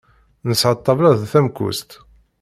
Nesɛa ṭṭabla d tamkuẓt.